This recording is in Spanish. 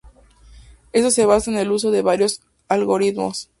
Eso se basa en el uso de varios algoritmos.